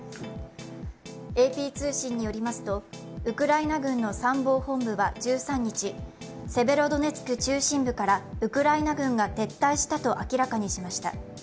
ＡＰ通信によりますとウクライナ軍の参謀本部は１３日、セベロドネツク中心部からウクライナ軍が撤退したと明らかにしました。